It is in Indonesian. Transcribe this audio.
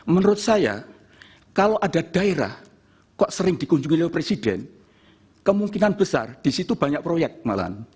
menurut saya kalau ada daerah kok sering dikunjungi oleh presiden kemungkinan besar di situ banyak proyek malahan